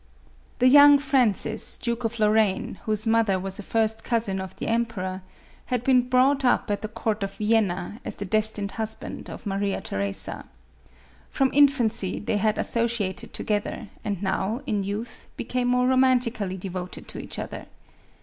The young Francis, Duke of Lorraine, whose mother was a first cousin of the Emperor, had been brought up at the court of Vienna, as the destined husband of Maria Theresa. From infancy, they had associated to gether, and now, in youth, became more romantically devoted to each other.